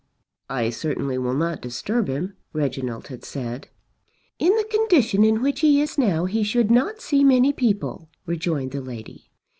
"I certainly will not disturb him," Reginald had said. "In the condition in which he is now he should not see many people," rejoined the lady.